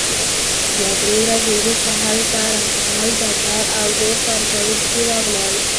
دوه درې ورځې وروسته هلته رنګمال نجار او نور کار کوونکي راغلل.